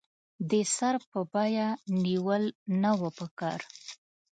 د سر په بیه نېول نه وو پکار.